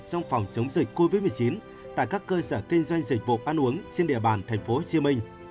trong phòng chống dịch covid một mươi chín tại các cơ sở kinh doanh dịch vụ ăn uống trên địa bàn tp hcm